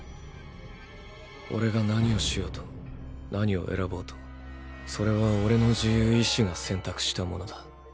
オレが何をしようと何を選ぼうとそれはオレの自由意思が選択したものだ。